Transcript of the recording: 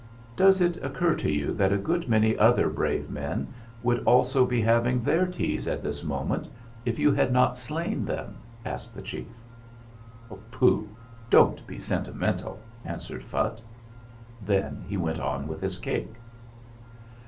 "Does it occur to you that a good many other brave men would also be having their teas at this moment if you had not slain them ?" asked the chief. "Pooh! Don't be sentimental!" answered Phutt. Then he went on with his cake.